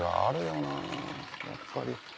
やっぱり。